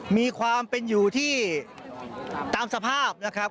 มีความเป็นอยู่ที่ตามสภาพนะครับ